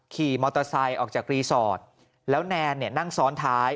ขี่มอเตอร์ไซค์ออกจากรีสอร์ทแล้วแนนนั่งซ้อนท้าย